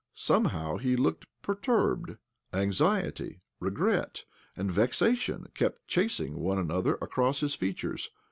Somehow he looked perturbed ; anxiety, regret, and vexation kept chasing one another across his features.